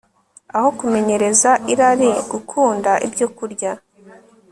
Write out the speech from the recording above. Aho kumenyereza irari gukunda ibyokurya